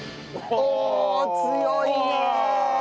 おお強いね！